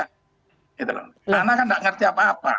karena kan tidak mengerti apa apa